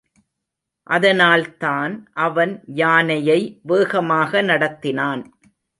அதனால்தான் அவன் யானையை வேகமாக நடத்தினான்.